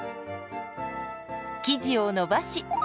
生地を伸ばし。